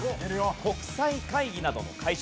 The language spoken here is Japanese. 国際会議などの会場。